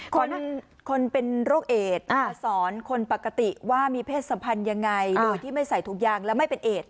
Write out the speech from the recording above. คนคนเป็นโรคเอดสอนคนปกติว่ามีเพศสัมพันธ์ยังไงโดยที่ไม่ใส่ถุงยางและไม่เป็นเอด